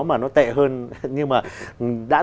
mà nó tệ hơn nhưng mà